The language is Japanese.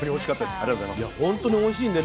本当においしかったです。